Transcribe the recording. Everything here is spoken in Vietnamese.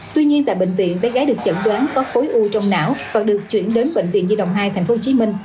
tuy nhiên tại bệnh viện bé gái được chẩn đoán có khối u trong não và được chuyển đến bệnh viện di đồng hai tp hcm